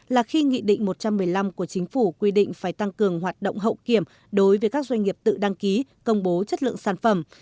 là khi nghị định một trăm một mươi năm của chính phủ quy định phải tăng cường hoạt động hậu kiểm đối với các doanh nghiệp tự đăng ký công bố chất lượng sản phẩm